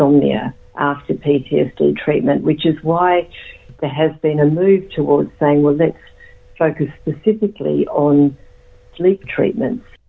yang merupakan alasan mengapa ada pergerakan untuk menunjukkan bahwa kita harus fokus secara spesifik pada penyelamatan tidur